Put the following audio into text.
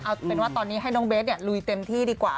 เอาเป็นว่าตอนนี้ให้น้องเบสลุยเต็มที่ดีกว่า